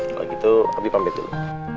kalau gitu abi pamit dulu